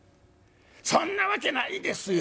そんなわけないですよ！